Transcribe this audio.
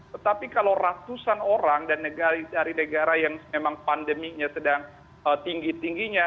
tetapi kalau ratusan orang dan dari negara yang memang pandeminya sedang tinggi tingginya